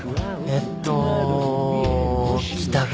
えっと北側？